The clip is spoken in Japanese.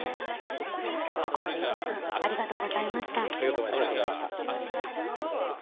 ここまで伊藤さんありがとうございました。